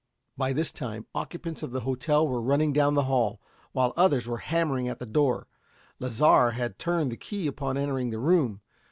By this time, occupants of the hotel were running down the hall, while others were hammering at the door. Lasar had turned the key upon entering the room.